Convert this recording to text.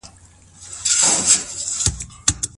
جسدونه چيري معاینه کیږي؟